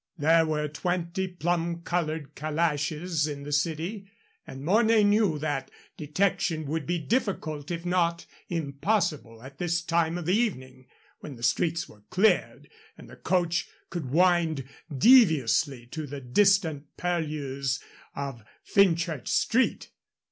There were twenty plum colored calashes in the city, and Mornay knew that detection would be difficult if not impossible at this time of the evening, when the streets were cleared and the coach could wind deviously to the distant purlieus of Fenchurch Street.